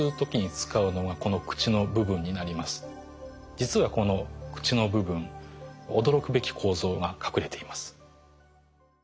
実はこの口の部分驚くべき構造が隠れています。